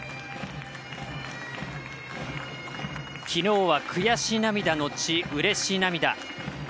きのうは悔し涙後うれし涙。